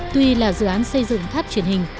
tuy là dự án xây dựng tháp truyền hình